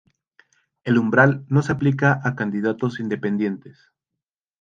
El umbral no se aplica a candidatos independientes.